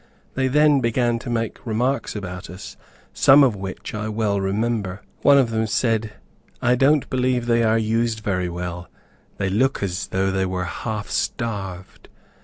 They then began to make remarks about us, some of which I well remember. One of them said, "I don't believe they are used very well; they look as though they were half starved."